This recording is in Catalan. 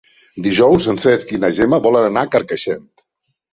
Dijous en Cesc i na Gemma volen anar a Carcaixent.